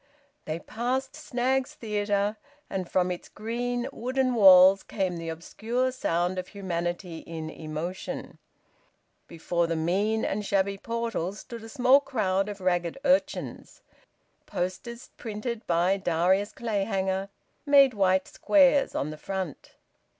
They passed Snaggs' Theatre, and from its green, wooden walls came the obscure sound of humanity in emotion. Before the mean and shabby portals stood a small crowd of ragged urchins. Posters printed by Darius Clayhanger made white squares on the front.